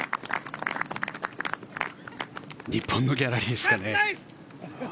日本のギャラリーですかね。